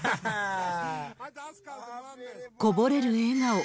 こぼれる笑顔。